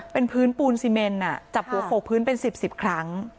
เป็นพื้นปูนซีเมนจับหัวโขกพื้นเป็น๑๐๑๐ครั้ง